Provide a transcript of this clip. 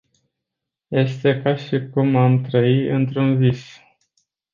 Este ca și cum am trăi într-un vis!